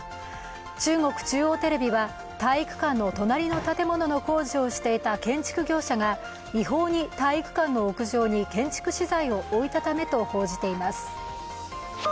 中国中央テレビは体育館の隣の建物の工事をしていた建築業者が違法に体育館の屋上に建築資材を置いたためと報じています。